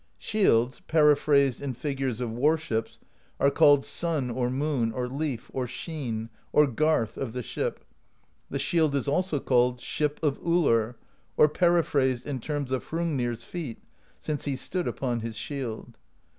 Shields, peri phrased in figures of warships, are called Sun, or Moon, or Leaf, or Sheen, or Garth, of the Ship; the shield is also called Ship of Ullr, or periphrased in terms of Hrungnir's feet, since he stood upon his shield.